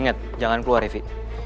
ingat jangan keluar fi